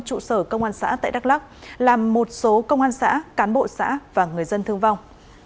trụ sở công an xã tại đắk lắk làm một số công an xã cán bộ xã và người dân thương vong